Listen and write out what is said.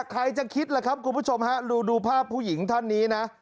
ใครจะคิดล่ะครับคุณผู้ชมฮะดูภาพผู้หญิงท่านนี้นะ